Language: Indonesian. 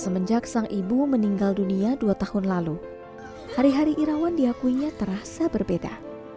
semenjak sang ibu meninggal dunia dua tahun lalu hari hari irawan diakuinya terasa berbeda